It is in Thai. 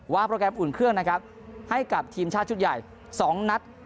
โปรแกรมอุ่นเครื่องนะครับให้กับทีมชาติชุดใหญ่๒นัด